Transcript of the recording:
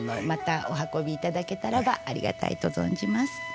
またお運びいただけたらばありがたいと存じます。